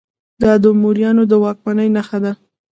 دا د موریانو د واکمنۍ نښه ده